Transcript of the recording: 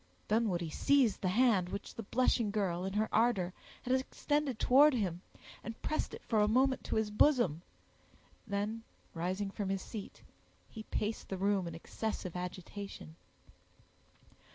Dunwoodie seized the hand which the blushing girl, in her ardor, had extended towards him, and pressed it for a moment to his bosom; then rising from his seat, he paced the room in excessive agitation.